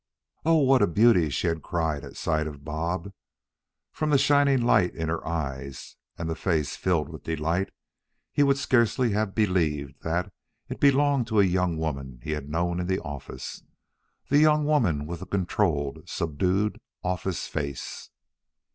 "Oh, what a beauty" she had cried at sight of Bob. From the shining light in her eyes, and the face filled with delight, he would scarcely have believed that it belonged to a young woman he had known in the office, the young woman with the controlled, subdued office face.